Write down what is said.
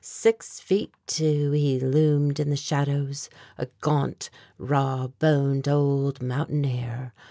Six feet two he loomed in the shadows, a gaunt, raw boned old mountaineer.